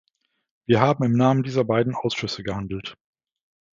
Wir haben im Namen dieser beiden Ausschüsse gehandelt.